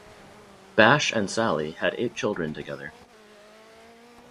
Bache and Sally had eight children together.